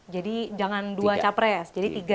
jadi jangan dua capres jadi tiga